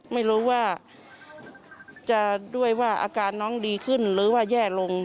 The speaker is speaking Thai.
ไม่รู้ว่าจะด้วยว่าอาการน้องดีขึ้นหรือว่าแย่ลง